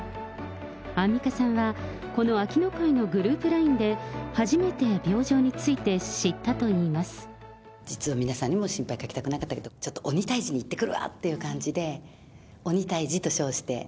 アンミカさんはこの秋野会のグループラインで、初めて病状につい実は皆さんにも心配かけたくなかったけど、ちょっと鬼退治に行ってくるわっていう感じで、鬼退治と称して。